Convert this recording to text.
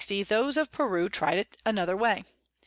those of Peru try'd it another way.